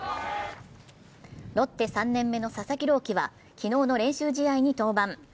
ロッテ３年目の佐々木朗希は昨日の練習試合に登板。